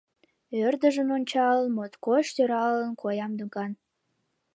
Ӧрдыжын ончалын, моткоч сӧралын коям докан».